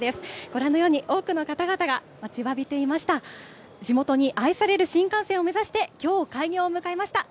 ご覧のように、多くの方々が待ちわびていました。